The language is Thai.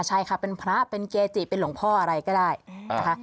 ใช่ค่ะเป็นพระเป็นเกจิเป็นหลวงพ่ออะไรก็ได้นะคะ